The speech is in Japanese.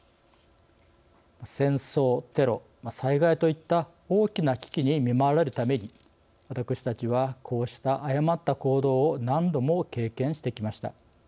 戦争、テロ、災害といった大きな危機に見舞われるたびに私たちは、こうした誤った行動を何度も経験してきました。